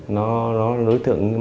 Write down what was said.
nó là đối tượng